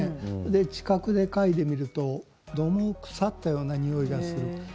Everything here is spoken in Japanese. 近くで嗅いでみるとどうも腐ったようなにおいがする。